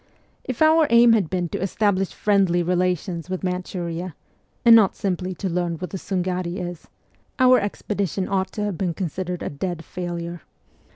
If our aim had been to establish friendly relations with Manchuria and not simply to learn what the Sungari is our expedition ought to have been con sidered a dead failure.